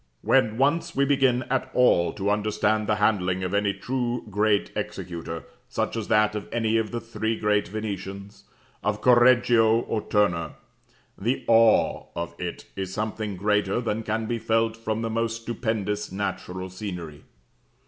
When once we begin at all to understand the handling of any truly great executor, such as that of any of the three great Venetians, of Correggio, or Turner, the awe of it is something greater than can be felt from the most stupendous natural scenery.